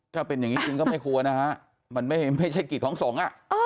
ถ้าเป็นอย่างนี้จริงก็ไม่ควรนะมันไม่ใช่กฤทธิ์ท้องสอง